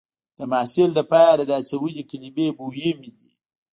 د محصل لپاره د هڅونې کلمې مهمې دي.